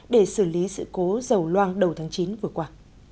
để xử lý sự cố dầu loang đầu tháng chín vừa qua